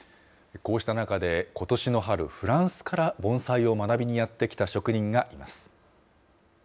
こうした中でことしの春、フランスから盆栽を学びにやって来た職人がいます。